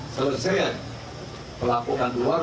selesai pelakukan keluar